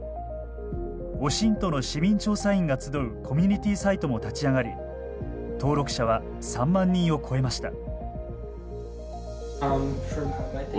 オシントの市民調査員が集うコミュニティーサイトも立ち上がり登録者は３万人を超えました。